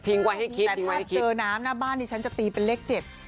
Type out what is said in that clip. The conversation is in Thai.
แต่ถ้าเจอน้ำหน้าบ้านดิฉันจะตีเป็นเลขเจ็ด